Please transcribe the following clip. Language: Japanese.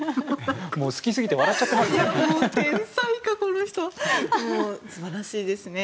好きすぎて笑っちゃってますね。